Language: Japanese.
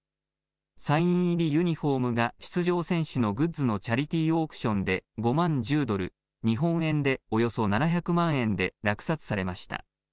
サイン入りユニホームが出場選手のグッズのチャリティーオークションで５万１０ドル、日本円でおよそ７００万円で落札されました。